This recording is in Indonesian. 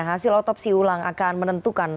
hasil otopsi ulang akan menentukan